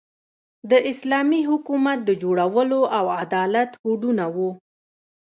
د اسلامي حکومت د جوړولو او عدالت هوډونه وو.